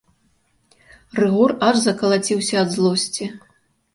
Рыгор аж закалаціўся ад злосці.